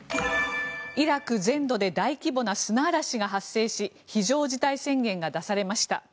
イラク全土で大規模な砂嵐が発生し非常事態宣言が出されました。